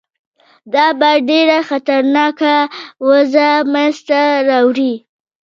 دا به ډېره خطرناکه وضع منځته راوړي.